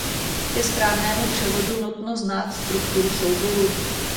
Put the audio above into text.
Ke správnému převodu nutno znát strukturu souboru.